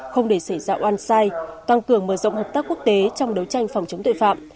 không để xảy ra oan sai tăng cường mở rộng hợp tác quốc tế trong đấu tranh phòng chống tội phạm